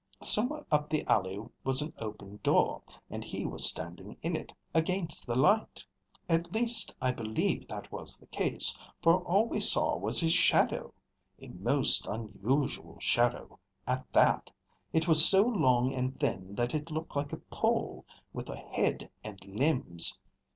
Somewhere up the alley was an open door, and he was standing in it, against the light. At least I believe that was the case, for all we saw was his shadow. A most unusual shadow, at that. It was so long and thin that it looked like a pole with a head and limbs.